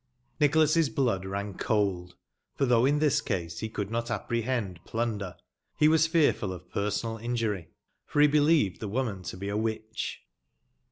Nicbolas's blood ran cold, for tbougb in tbis case be could not apprebend plunder, be was fearful of personal injury, for be bebeved tbe woman to be a witcb.